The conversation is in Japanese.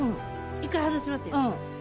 １回離しますよ。